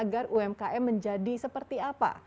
pemerintah ingin agar umkm menjadi seperti apa